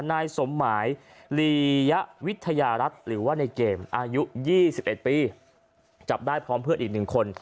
นายสมหมายลียวิทยารัฐหรือว่าในเกมอายุ๒๑ปีจับได้พร้อมเพื่อนอีก๑คน